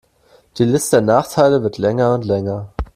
Die Liste der Nachteile wird länger und länger.